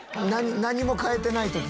「何も変えてない時」